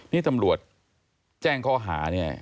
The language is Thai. นี่ตำรวจแจ้งข้อหาเนี่ย